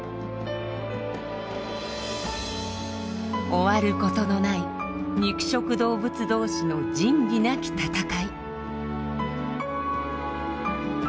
終わることのない肉食動物同士の仁義なき戦い。